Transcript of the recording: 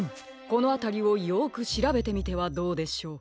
このあたりをよくしらべてみてはどうでしょう？